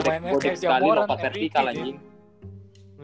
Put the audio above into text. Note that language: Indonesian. bodek sekali lompat vertikal anjing